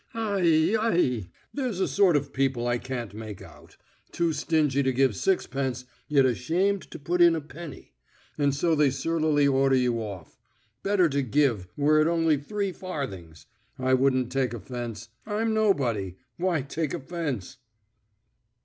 Ai, ai, there's a sort of people I can't make out; too stingy to give sixpence, yet ashamed to put in a penny ... and so they surlily order you off. Better to give, were it only three farthings.... I wouldn't take offence, I'm nobody ... why take offence?"